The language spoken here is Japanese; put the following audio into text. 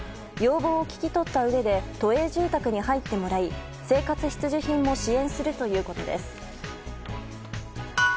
要望を聞き取ったうえで都営住宅に入ってもらい生活必需品も支援するということです。